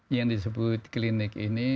yang disebut klinik ini